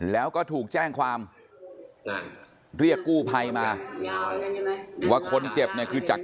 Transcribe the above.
แล้วก็ถูกแจ้งความเรียกกู้ภัยมาว่าคนเจ็บเนี่ยคือจาก